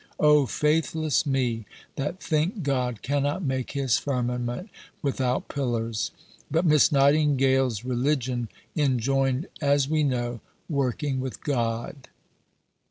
O faithless me, that think God cannot make His firmament without pillars." But Miss Nightingale's religion enjoined, as we know, "working with God."